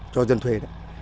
cho dân thuê đó